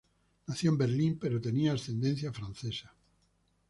Nació en Berlín, pero tenía ascendencia francesa.